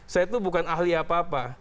saya tuh bukan ahli apa apa